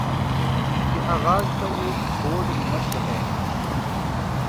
کے آغاز پر ایک بورڈ نصب ہے